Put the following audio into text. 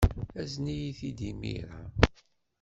Azen-iyi-t-id imir-a.